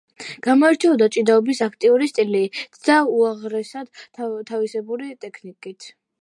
გამოირჩეოდა ჭიდაობის აქტიური სტილით და უაღრესად თავისებური ტექნიკით.